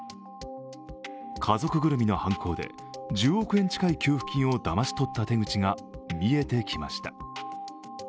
家族ぐるみの犯行で１０億円近い給付金をだまし取った手口が見えてきました。